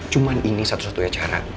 cuma ini satu satunya cara